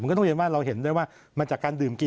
ก็ต้องเรียนว่าเราเห็นได้ว่ามาจากการดื่มกิน